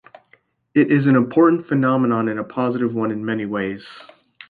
It is an important phenomenon and a positive one in many ways.